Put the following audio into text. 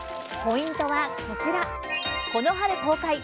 ポイントはこちらこの春公開！